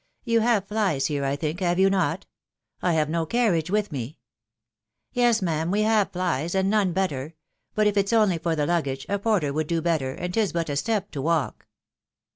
You have flies here, I think, have you not ?.... I have no carriage with me." " Yes, ma'am, we have flies, and none better ; but if it's only for the luggage, a porter would do better, and 't\& V$& Btep to walk."